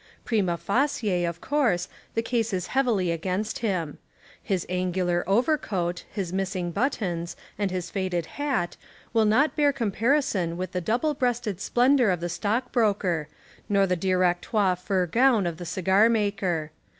Prima facie, of course, the case is heavily against him. His angular overcoat, his missing buttons, and his faded hat, will not bear comparison with the double breasted splendour of the stock broker, or the Directoire fur gown of the cigar maker.